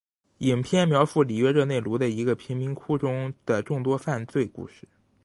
影片描述里约热内卢的一个贫民窟中的众多犯罪故事。